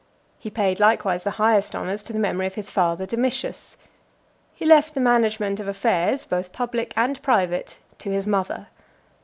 He paid likewise the highest honours to the memory of his father Domitius. He left the management of affairs, both public and private, to his mother.